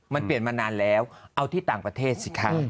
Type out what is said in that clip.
มันเปลี่ยนมานานแล้วเอาที่ต่างประเทศสิคะ